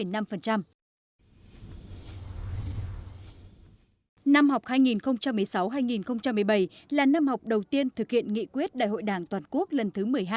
năm học hai nghìn một mươi sáu hai nghìn một mươi bảy là năm học đầu tiên thực hiện nghị quyết đại hội đảng toàn quốc lần thứ một mươi hai